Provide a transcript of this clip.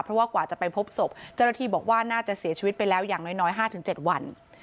เพราะว่ากว่าจะไปพบศพเจ้าหน้าที่บอกว่าน่าจะเสียชีวิตไปแล้วอย่างน้อย๕๗วัน